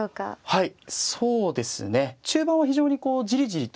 はい。